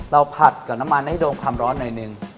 ผัดกับน้ำมันให้โดนความร้อนหน่อยหนึ่ง